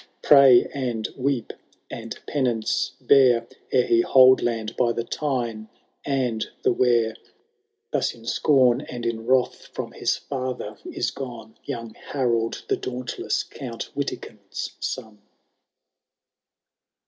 Pray and weep, and penance bear. Ere he hold land by the Tyne and the Wear.'* Thus in scorn and in wrath from his father is gone Young Harold the Dauntless, Count Witikind's son.